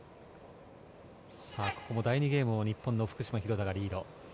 第２ゲームも日本の福島、廣田がリード。